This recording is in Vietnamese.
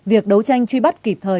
việc đấu tranh truy bắt kịp thời